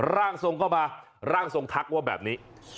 ร่างทรงก็มาร่างทรงทักว่าแบบนี้